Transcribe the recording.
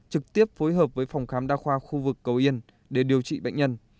trực tiếp phối hợp với phòng khám đa khoa khu vực cầu yên để điều trị bệnh nhân